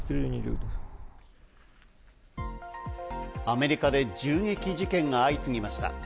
アメリカで銃撃事件が相次ぎました。